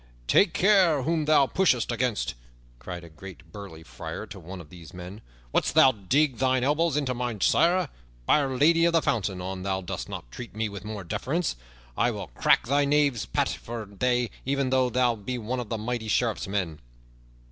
"Take care whom thou pushest against!" cried a great, burly friar to one of these men. "Wouldst thou dig thine elbows into me, sirrah? By'r Lady of the Fountain, an thou dost not treat me with more deference I will crack thy knave's pate for thee, even though thou be one of the mighty Sheriff's men."